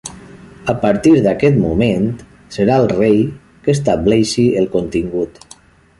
A partir d'aquest moment serà el Rei que estableixi el contingut.